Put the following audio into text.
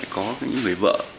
có những người vợ